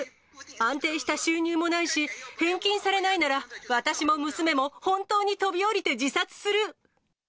安定した収入もないし、返金されないなら、私も娘も本当に飛び降りて自殺する。